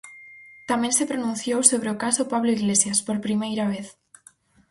Tamén se pronunciou sobre o caso Pablo Iglesias, por primeira vez.